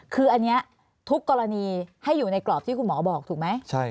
คืออันนี้ทุกกรณีให้อยู่ในกรอบที่คุณหมอบอกถูกไหม